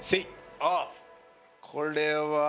あっこれはああ。